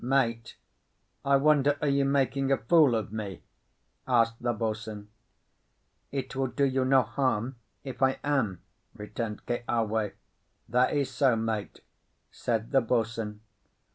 "Mate, I wonder are you making a fool of me?" asked the boatswain. "It will do you no harm if I am," returned Keawe. "That is so, mate," said the boatswain.